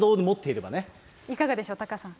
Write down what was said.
いかがでしょう、タカさん。